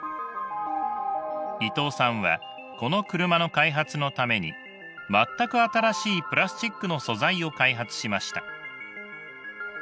伊藤さんはこの車の開発のために全く新しいプラスチックの素材を開発しました。